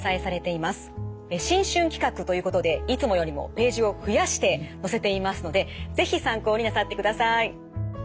新春企画ということでいつもよりもページを増やして載せていますので是非参考になさってください。